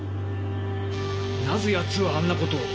なぜやつはあんなことを？